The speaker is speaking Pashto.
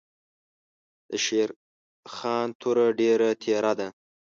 دشېرخان توره ډېره تېره ده.